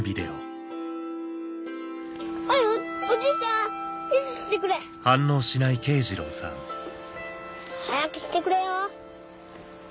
おじいちゃんピースしてくれ。早くしてくれよ。